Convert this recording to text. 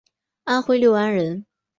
安徽六安人。